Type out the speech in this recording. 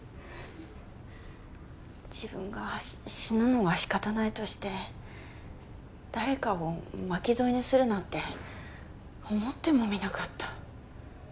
自分が死ぬのは仕方ないとして誰かを巻き添えにするなんて思ってもみなかった